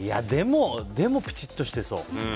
でも、きちっとしてそう。